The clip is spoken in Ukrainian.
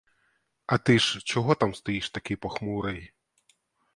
А ти ж чого там стоїш такий похмурий?